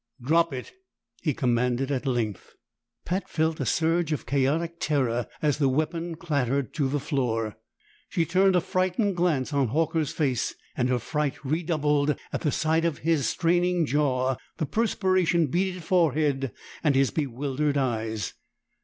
"Drop it!" he commanded at length. Pat felt a surge of chaotic terror as the weapon clattered to the floor. She turned a frightened glance on Horker's face, and her fright redoubled at the sight of his straining jaw, the perspiration beaded forehead, and his bewildered eyes.